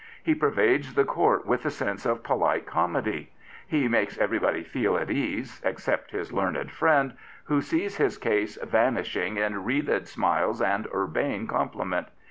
He pervaded the court with the sense of polite comedy. He makes 1 everybody feel at ease, except his learned friend, who sees his case vanishing in wreathed smiles and urbane compliment.